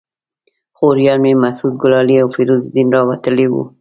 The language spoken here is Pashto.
خوریان مې مسعود ګلالي او فیروز الدین راوتلي ول.